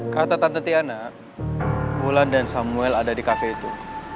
kata tante tiana wulan dan samuel ada di kafe itu